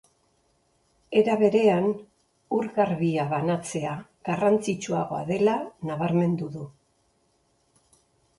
Era berean, ur garbia banatzea garrantzitsuagoa dela nabarmendu du.